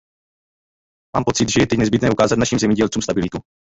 Mám pocit, že je teď nezbytné ukázat našim zemědělcům stabilitu.